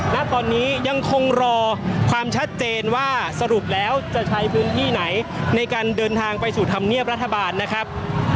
ณตอนนี้ยังคงรอความชัดเจนว่าสรุปแล้วจะใช้พื้นที่ไหนในการเดินทางไปสู่ธรรมเนียบรัฐบาลนะครับ